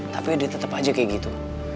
tapi dia tetep aja kayak gitu